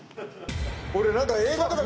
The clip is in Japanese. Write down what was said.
俺何か。